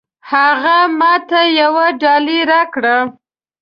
هغه ماته يوه ډالۍ راکړه.